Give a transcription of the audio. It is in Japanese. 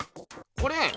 これ？